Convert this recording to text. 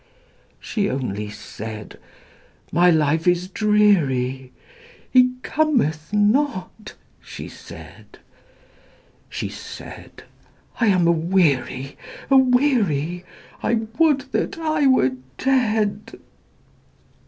She only said, "My life is dreary, He cometh not," she said; She said, "I am aweary, aweary, I would that I were dead!"